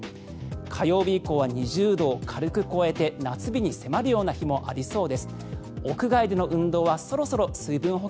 火曜日以降は２０度を軽く超えて夏日に迫るような日もありそうです。